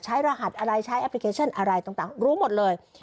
รหัสอะไรใช้แอปพลิเคชันอะไรต่างรู้หมดเลย